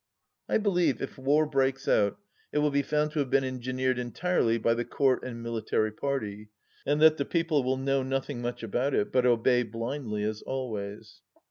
I believe, if war breaks out, it will be found to have been engineered entirely by the Court and Military party, and that the People will know nothing much about it, but obey blindly, as always.